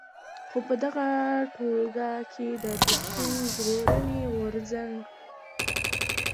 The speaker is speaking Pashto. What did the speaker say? خو په دغه ټولګه کې د پښتون ژغورني غورځنګ.